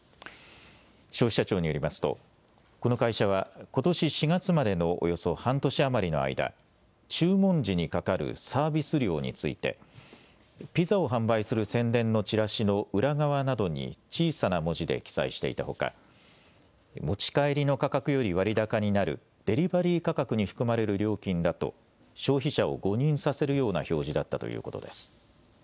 消費者庁によりますとこの会社はことし４月までのおよそ半年余りの間、注文時にかかるサービス料についてピザを販売する宣伝のちらしの裏側などに小さな文字で記載していたほか持ち帰りの価格より割高になるデリバリー価格に含まれる料金だと消費者を誤認させるような表示だったということです。